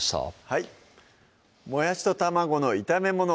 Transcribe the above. はい「もやしと卵の炒めもの」